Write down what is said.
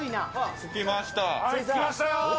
着きました。